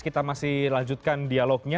kita masih lanjutkan dialognya